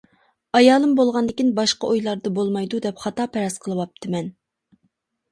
ئايالىم بولغاندىكىن باشقا ئويلاردا بولمايدۇ دەپ خاتا پەرەز قىلىۋاپتىمەن.